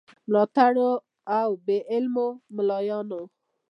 ملاتړو او بې علمو مُلایانو.